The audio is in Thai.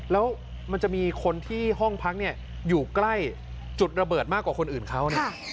แล้วมันจะมีคนที่ห้องพักเนี่ยอยู่ใกล้จุดระเบิดมากกว่าคนอื่นเขาเนี่ย